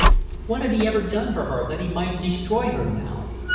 What had he ever done for her that he might destroy her now?